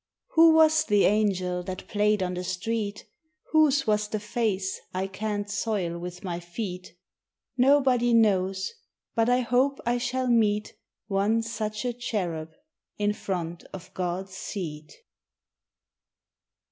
Who was the angel that played on the street; Whose was the face I can't soil with my feet? Nobody knows; but I hope I shall meet One such a cherub in front of God's seat.